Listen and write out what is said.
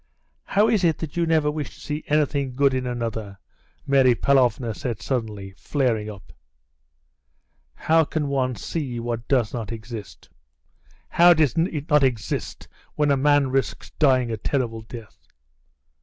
"How is it that you never wish to see anything good in another?" Mary Pavlovna said suddenly, flaring up. "How can one see what does not exist!" "How does it not exist, when a man risks dying a terrible death?"